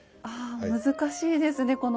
ああ難しいですね